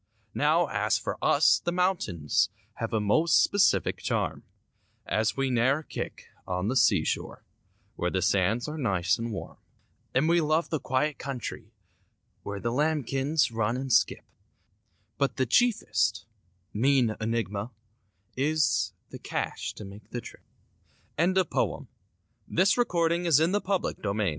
Now, as for us, the mountains Have a most specific charm, And we ne'er kick on the seashore, Where the sands are nice and warm ; And we love the quiet country Where the lambkins run and skip— But the chiefest, mean enigma Is—the cash to make the trip. AN AWFUL HALLOWE'EN (absolutely untrue) Way bac